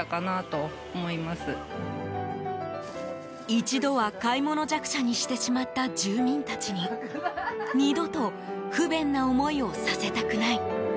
一度は買い物弱者にしてしまった住民たちに二度と不便な思いをさせたくない。